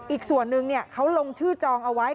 อีกส่วนหนึ่งเขาลงชื่อจองเอาไว้